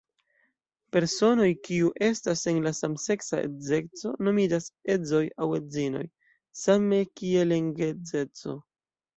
Personoj kiu estas en samseksa edzeco nomiĝas edzoj aŭ edzinoj, same kiel en geedzeco.